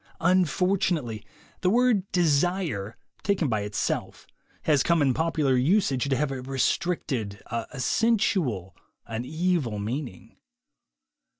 Unfortunately, the word "desire,'' taken by it self, has come in popular usage to have a restricted, a sensual, an evil meaning.